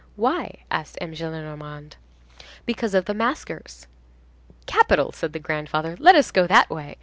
—"Why?" asked M. Gillenormand—"Because of the maskers."—"Capital," said the grandfather, "let us go that way.